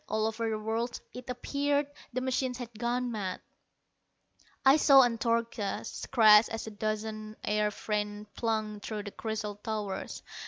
All over the world, it appeared, the machines had gone mad. I saw Antarcha crash as a dozen air freighters plunged through the crystal towers.